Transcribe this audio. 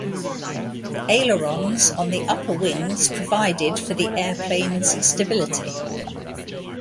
The ailerons on the upper wings provided for the airplane's stability.